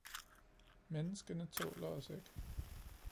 Menneskene tåler os ikke